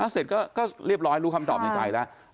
เสร็จก็เรียบร้อยรู้คำตอบในใจแล้ว